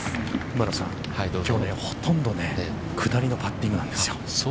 ◆馬野さん、きょう、ほとんど下りのパッティングなんですよ。